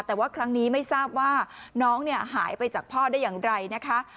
แต่ว่าครั้งนี้ไม่ทราบว่าน้องเนี่ยหายไปจากพ่อได้อย่างไรนะคะ